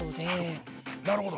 なるほど。